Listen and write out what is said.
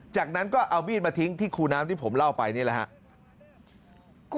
จากนั้นก็เอามีดมาทิ้งที่คูน้ำที่ผมเล่าไปนี่แหละครับ